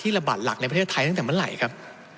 ระบาดหลักในประเทศไทยตั้งแต่เมื่อไหร่ครับ